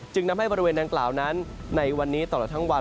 นำให้บริเวณดังกล่าวนั้นในวันนี้ตลอดทั้งวัน